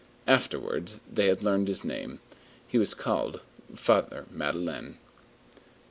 Afterwards they had learned his name. He was called Father Madeleine.